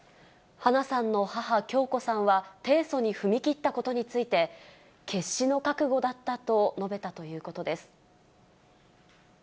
花さんの母、響子さんは提訴に踏み切ったことについて、決死の覚悟だったと述べたということです。